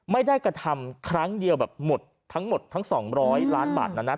ไม่ได้กระทำครั้งเดียวแบบหมดทั้งหมดทั้ง๒๐๐ล้านบาทนั้นนะ